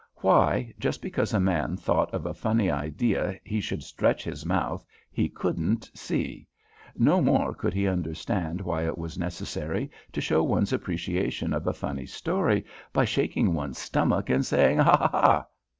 Why just because a man thought of a funny idea he should stretch his mouth he couldn't see. No more could he understand why it was necessary to show one's appreciation of a funny story by shaking one's stomach and saying Ha ha!